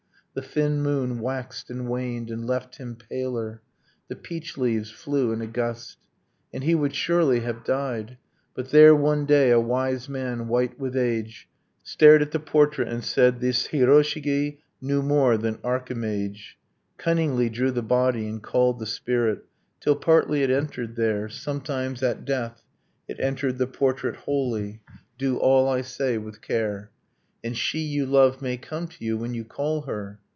. The thin moon waxed and waned, and left him paler, The peach leaves flew in a gust, And he would surely have died; but there one day A wise man, white with age, Stared at the portrait, and said, 'This Hiroshigi Knew more than archimage, Cunningly drew the body, and called the spirit, Till partly it entered there ... Sometimes, at death, it entered the portrait wholly .. Do all I say with care, And she you love may come to you when you call her